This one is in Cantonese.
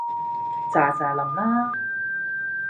咋咋淋啦